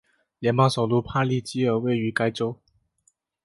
联邦首都帕利基尔位于该州。